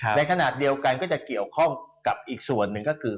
ในขณะเดียวกันก็จะเกี่ยวข้องกับอีกส่วนหนึ่งก็คือ